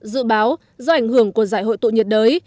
dự báo do ảnh hưởng của giải hội tụ nhiệt đới